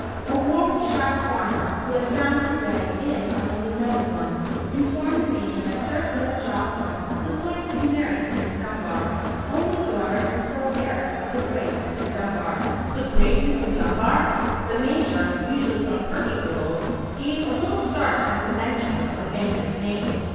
A Warwickshire farmer, who had found his way in among the knowing ones, informed the Major that Sir Philip Jocelyn was going to be married to Miss Dunbar, only daughter and sole heiress of the great Mr. Dunbar. The great Mr. Dunbar! The Major, usually so imperturbable, gave a little start at the mention of the banker's name.